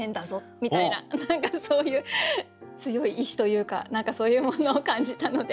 みたいな何かそういう強い意志というか何かそういうものを感じたので。